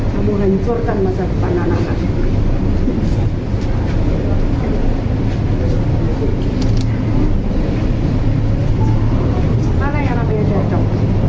kamu hancurkan masa depan anak anak